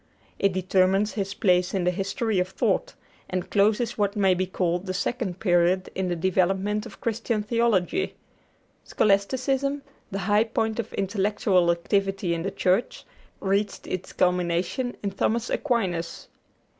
It determines his place in the history of thought, and closes what may be called the second period in the development of Christian theology. Scholasticism, the high point of intellectual activity in the Church, reached its culmination in Thomas Aquinas.